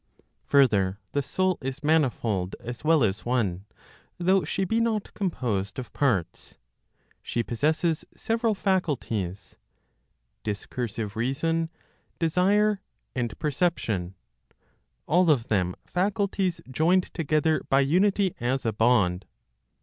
Further, the soul is manifold as well as one, though she be not composed of parts. She possesses several faculties, discursive reason, desire, and perception all of them faculties joined together by unity as a bond.